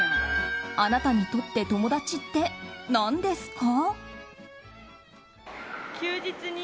あなたにとって友達って何ですか？